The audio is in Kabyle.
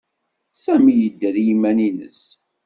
Sami yedder i yiman-nnes.